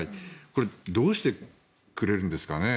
これどうしてくれるんですかね。